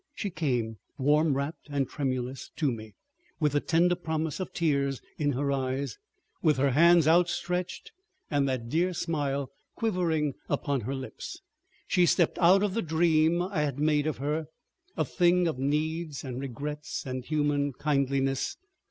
She came, warm wrapped and tremulous, to me, with the tender promise of tears in her eyes, with her hands outstretched and that dear smile quivering upon her lips. She stepped out of the dream I had made of her, a thing of needs and regrets and human kindliness.